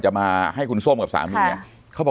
ใช่ค่ะ